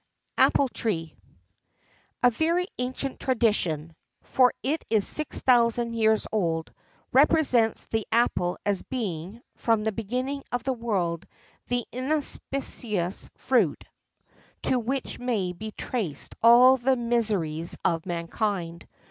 [XIII 18] APPLE TREE. A very ancient tradition for it is six thousand years old represents the apple as being, from the beginning of the world, the inauspicious fruit to which may be traced all the miseries of mankind.